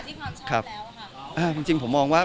คุณจำบางเล่นเพราะว่าเล่นมีนะครับ